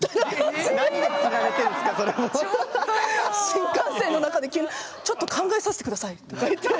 新幹線の中で急に「ちょっと考えさせてください」とか言って。